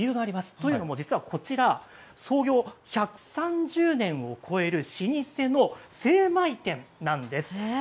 というのも、実はこちら創業１３０年を超える老舗の精米店なんです。